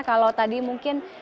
kalau tadi mungkin